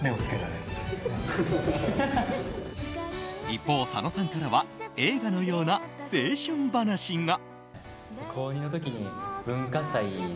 一方、佐野さんからは映画のような青春話が。